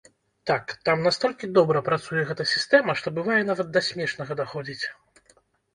Так, там настолькі добра працуе гэта сістэма, што бывае нават да смешнага даходзіць.